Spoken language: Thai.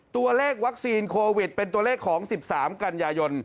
ตัวเลขวัคซีนโควิดเป็นตัวเลขของ๑๓กันยายน